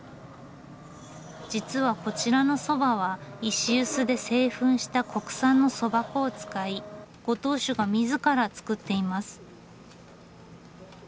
実はこちらのそばは石臼で製粉した国産のそば粉を使いご当主が自ら作っています。